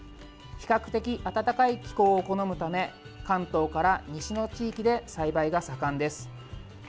比較的暖かい気候を好むため関東から西の地域で栽培が盛んです。